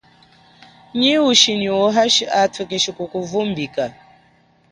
Nyi ushi nyi uhashi athu keshi kukuvumbika.